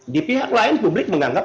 di pihak lain publik menganggap